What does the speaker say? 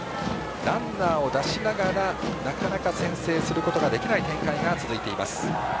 ランナーを出しながらなかなか先制することができない展開が続いています。